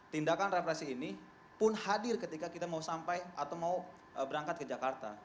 tindakan represi ini pun hadir ketika kita mau sampai atau mau berangkat ke jakarta